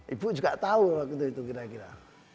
ibu juga tahu waktu itu kira kira